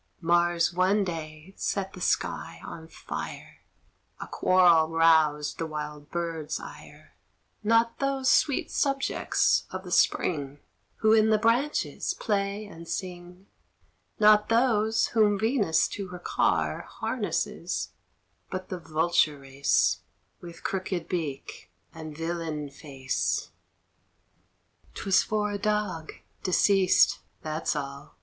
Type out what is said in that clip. Mars one day set the sky on fire: A quarrel roused the wild birds' ire Not those sweet subjects of the spring, Who in the branches play and sing; Not those whom Venus to her car Harnesses; but the Vulture race, With crooked beak and villain face. 'Twas for a dog deceased that's all.